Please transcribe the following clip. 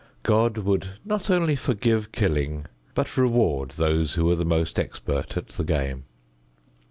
God would not only forgive killing but reward those who were the most expert at the game.